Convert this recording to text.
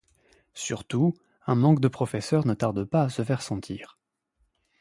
Surtout, un manque de professeurs ne tarde pas à se faire sentir.